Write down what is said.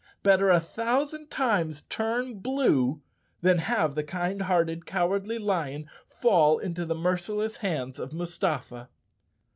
Better a thousand times turn blue than have the kind hearted Cowardly Lion fall into the merciless hands of Mustafa.